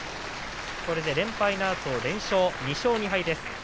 これで連敗のあと連勝２勝２敗です。